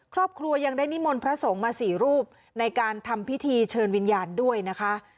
ครอบครัวยังได้นิมนต์พระสงฆ์มาสี่รูปในการทำพิธีเชิญวิญญาณด้วยนะคะ